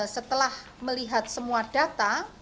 setelah melihat semua data